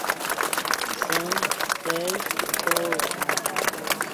سیم، سئے، سؤ